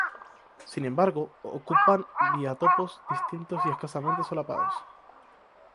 Sin embargo, ocupan biotopos distintos y escasamente solapados.